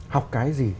học cái gì